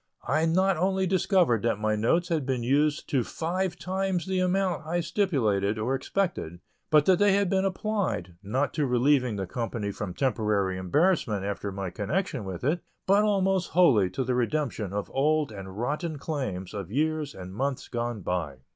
I not only discovered that my notes had been used to five times the amount I stipulated or expected, but that they had been applied, not to relieving the company from temporary embarrassment after my connection with it, but almost wholly to the redemption of old and rotten claims of years and months gone by.